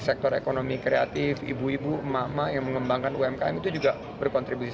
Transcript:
sektor ekonomi kreatif ibu ibu emak emak yang mengembangkan umkm itu juga berkontribusi